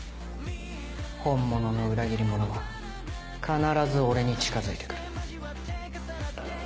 本物の裏切り者は必ず俺に近づいて来る。